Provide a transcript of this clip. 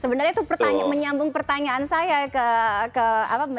sebenarnya itu menyambung pertanyaan saya